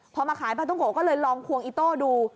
พอมาขายปลาท้องโกะก็เลยลองควงอิโต้ดู